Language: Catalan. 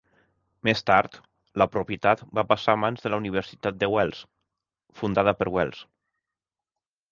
Més tard, la propietat va passar a mans de la Universitat de Wells, fundada per Wells.